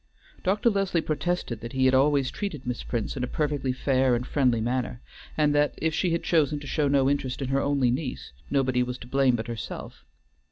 Dr. Leslie protested that he had always treated Miss Prince in a perfectly fair and friendly manner, and that if she had chosen to show no interest in her only niece, nobody was to blame but herself.